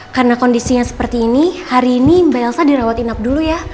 karena kondisinya seperti ini hari ini mbak elsa dirawatin ab dulu ya